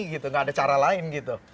tidak ada cara lain